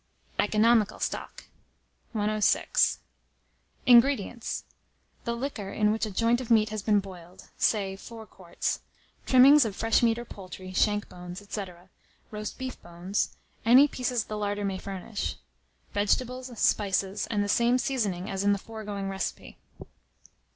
ECONOMICAL STOCK. 106. INGREDIENTS. The liquor in which a joint of meat has been boiled, say 4 quarts; trimmings of fresh meat or poultry, shank bones, &c., roast beef bones, any pieces the larder may furnish; vegetables, spices, and the same seasoning as in the foregoing recipe.